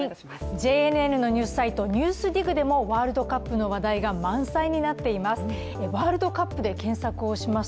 ＪＮＮのニュースサイト「ＮＥＷＳＤＩＧ」でもワールドカップの話題が満載になっています。